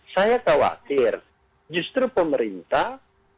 saya kewakir justru pemerintah